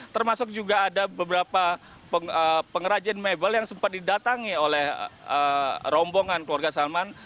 termasuk juga ada beberapa pengrajin mebel yang sempat didatangi oleh rombongan keluarga salman